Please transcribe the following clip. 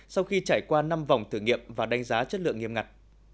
sau khi trải qua năm vòng thử nghiệm và đánh giá chất lượng nghiêm ngặt